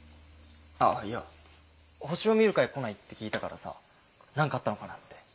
ああいや星を見る会来ないって聞いたからさ何かあったのかなって。